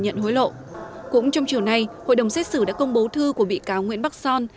nhận hối lộ cũng trong chiều nay hội đồng xét xử đã công bố thư của bị cáo nguyễn bắc son